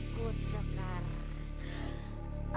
aku akan selalu mencari nyawa suamimu sekar